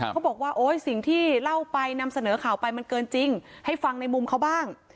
เขาบอกว่าโอ๊ยสิ่งที่เล่าไปนำเสนอข่าวไปมันเกินจริงให้ฟังในมุมเขาบ้าง